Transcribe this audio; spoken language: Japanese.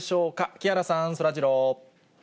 木原さん、そらジロー。